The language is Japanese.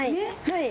はい。